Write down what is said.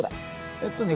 えっとね